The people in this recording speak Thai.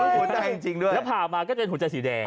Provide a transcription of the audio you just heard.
รูปหัวใจจริงจริงด้วยแล้วผ่ามาก็จะเป็นหัวใจสีแดง